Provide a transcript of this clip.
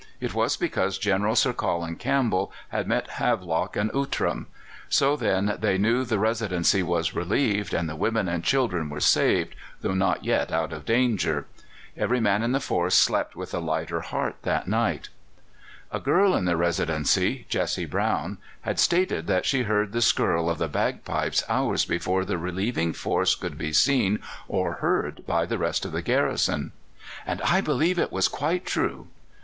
It was because General Sir Colin Campbell had met Havelock and Outram. So then they knew the Residency was relieved, and the women and children were saved, though not yet out of danger. Every man in the force slept with a lighter heart that night. A girl in the Residency Jessie Brown had stated that she heard the skirl of the bagpipes hours before the relieving force could be seen or heard by the rest of the garrison, "and I believe it was quite true.